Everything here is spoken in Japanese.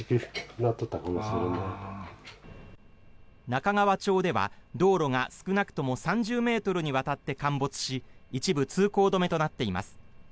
中川町では道路が少なくとも３０ｍにわたって陥没し一部通行止めとなっています。